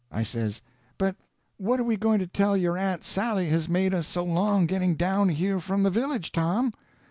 I says: "But what are we going to tell your aunt Sally has made us so long getting down here from the village, Tom?"